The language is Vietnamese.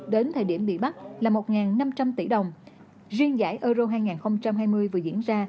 đến thời điểm bị bắt là một năm trăm linh tỷ đồng riêng giải euro hai nghìn hai mươi vừa diễn ra